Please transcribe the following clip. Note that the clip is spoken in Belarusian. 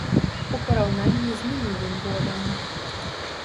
У параўнанні з мінулым годам.